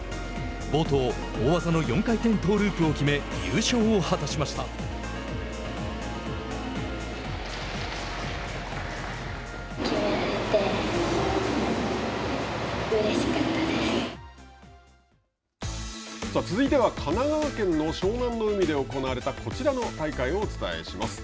冒頭大技の４回転トーループを決め続いては神奈川県の湘南の海で行われたこちらの大会をお伝えします。